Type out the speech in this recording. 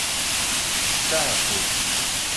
Steɛfut.